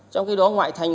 trong cái đó ngoại thành